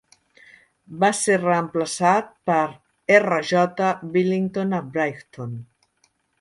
Va ser reemplaçat per R. J. Billinton a Brighton.